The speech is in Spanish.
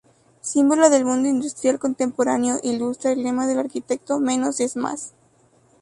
Símbolo del mundo industrial contemporáneo, ilustra el lema del arquitecto "Menos es más".